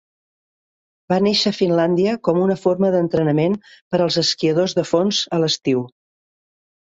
Va néixer a Finlàndia com una forma d'entrenament per als esquiadors de fons a l'estiu.